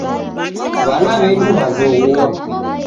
W'ana w'edu w'azoghua.